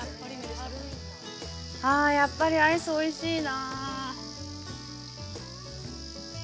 ああやっぱりアイスおいしいなー。